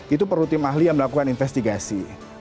itu perlu tim ahli yang melakukan investigasi